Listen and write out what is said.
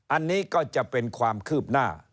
อันนี้ก็จะเป็นความคืบหน้า